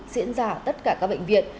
diễn ra ở tất cả các bệnh viện